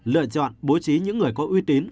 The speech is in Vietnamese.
lựa chọn bố trí những người có uy tín